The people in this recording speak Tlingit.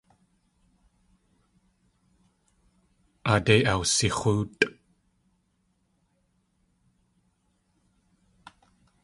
Aadé awsix̲óotʼ.